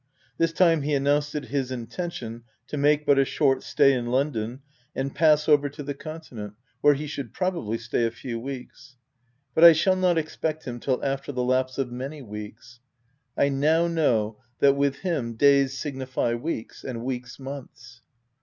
This time he announced it his intention to make but a short stay in London, and pass over to the con tinent, where he should probably stay a few weeks ; but I shall not expect him till after the lapse of many weeks : I now know that, with him, days signify weeks, and weeks months.